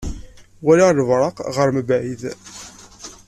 Walaɣ lebreq ɣer mebɛid.